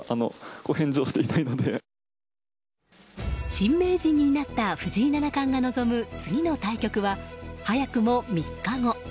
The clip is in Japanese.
新名人になった藤井七冠が臨む次の対局は早くも３日後。